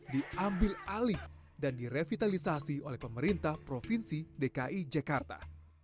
diambil alih dan direvitalisasi oleh pemerintah provinsi dki jakarta